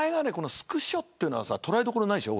スクショっていう音が捉えどころないでしょう。